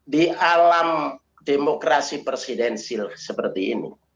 di alam demokrasi presidensil seperti ini